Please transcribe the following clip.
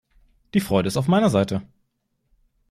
Die Freude ist auf meiner Seite!